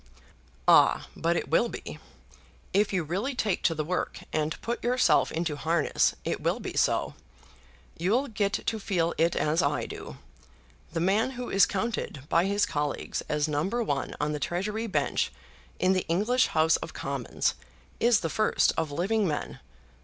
"Ah, but it will be. If you really take to the work, and put yourself into harness, it will be so. You'll get to feel it as I do. The man who is counted by his colleagues as number one on the Treasury Bench in the English House of Commons, is the first of living men.